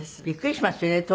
びっくりしますよね